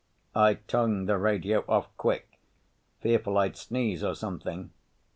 I tongued the radio off quick, fearful I'd sneeze or something.